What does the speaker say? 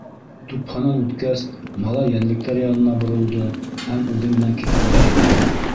Тупһанан үткәс, малай йәнлектәр яғына боролдо һәм үҙе менән китергә әйҙәне.